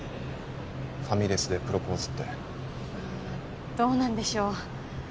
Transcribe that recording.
ファミレスでプロポーズっていやあどうなんでしょう？